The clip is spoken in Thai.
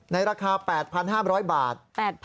ราคา๘๕๐๐บาท